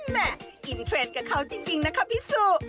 แม่อินเทรนด์กับเขาจริงนะคะพี่สุ